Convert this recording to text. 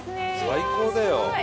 最高だよ。